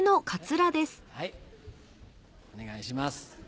はいお願いします。